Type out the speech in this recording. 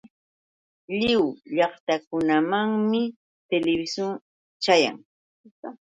Lliw llaqtakunamanmi televisión chayan.